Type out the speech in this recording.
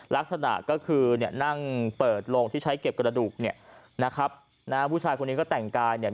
ลักษณะก็คือเนี่ยนั่งเปิดโรงที่ใช้เก็บกระดูกเนี่ยนะครับนะฮะผู้ชายคนนี้ก็แต่งกายเนี่ย